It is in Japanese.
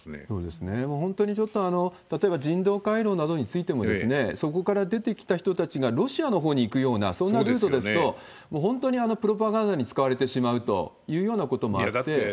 そうですね、本当にちょっと、例えば人道回廊などについても、そこから出てきた人たちがロシアのほうに行くような、そんなルートですと、もう本当にプロパガンダに使われてしまうというようなこともあって。